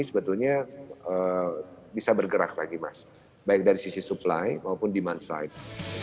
sebetulnya bisa bergerak lagi mas baik dari sisi supply maupun demand side